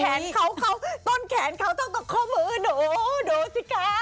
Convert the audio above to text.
แขนเขาเขาต้นแขนเขาก็เข้ามือโดดู้สิค่ะ